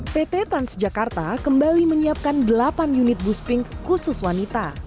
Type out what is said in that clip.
pt transjakarta kembali menyiapkan delapan unit bus pink khusus wanita